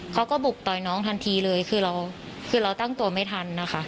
เขาก็บุกต่อยน้องทันทีเลยคือเราคือเราตั้งตัวไม่ทันนะคะ